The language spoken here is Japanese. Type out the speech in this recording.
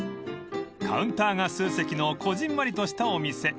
［カウンターが数席のこぢんまりとしたお店］